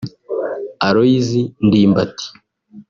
Aloys Ndimbati